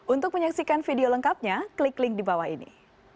untuk menyaksikan video lengkapnya klik link di bawah ini